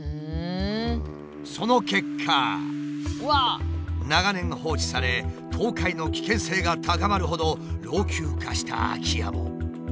その結果長年放置され倒壊の危険性が高まるほど老朽化した空き家も。